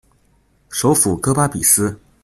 首府戈巴比斯。